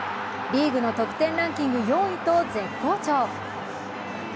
リーグの得点ランキング４位と絶好調。